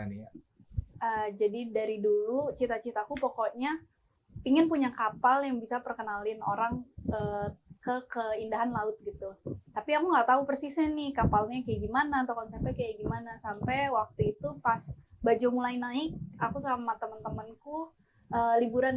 nginep atau kalau nginep kan udah pasti satu hari satu atau kalau day trip yang full day kita juga